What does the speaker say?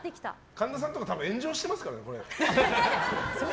神田さんとか多分、炎上してますからね。